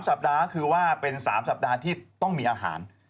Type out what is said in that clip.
สัปดาห์ก็คือว่าเป็น๓สัปดาห์ที่ต้องมีอาหาร